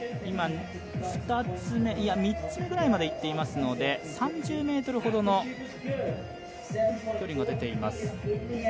今、３つ目ぐらいまでいっていますので３０ｍほどの距離が出ています。